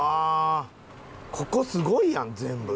ここすごいやん全部。